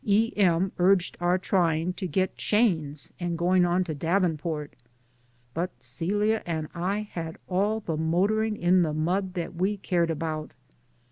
E. M. urged our try ing to get chains and going on to Davenport, but Celia and I had all the motoring in the mud that we cared about.